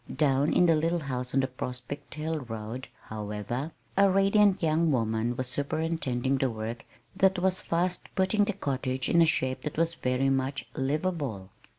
Down in the little house on the Prospect Hill road, however, a radiant young woman was superintending the work that was fast putting the cottage into a shape that was very much "livable."